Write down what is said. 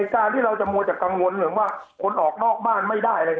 การที่เราจะโมจากกังวลเหมือนว่าคนออกนอกบ้านไม่ได้